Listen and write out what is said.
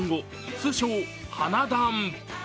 通称「花男」。